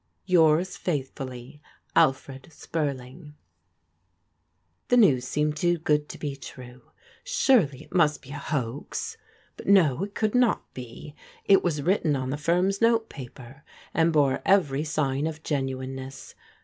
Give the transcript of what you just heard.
Yours faithfully, AT SPURLING AND KING'S 335 The news seemed to be too good to be true. Surely it must be a hoax. But no^ it could not be. It was writ ten on the firm's note paper, and bore every sign of genuineness.